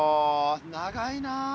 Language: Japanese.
長いな。